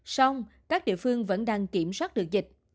song các địa phương vẫn đang kiểm soát được dịch